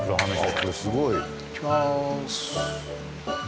いきまーす